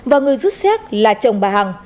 và người rút xét là chồng bà hằng